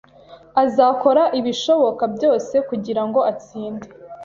azakora ibishoboka byose kugirango atsinde.